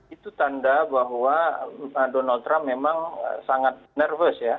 itu tanda bahwa donald trump memang sangat nervous ya